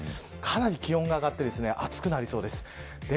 かなり気温が上がって暑くなりそうです。